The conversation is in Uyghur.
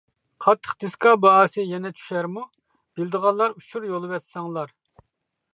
قاتتىق دىسكا باھاسى يەنە چۈشەرمۇ؟ بىلىدىغانلار ئۇچۇر يوللىۋەتسەڭلار!